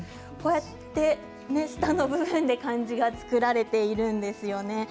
下の部分で漢字が作られているんですよね。